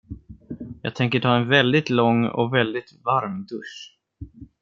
Jag tänker ta en väldigt lång och väldigt varm dusch.